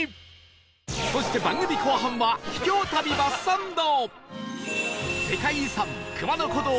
そして番組後半は秘境旅バスサンド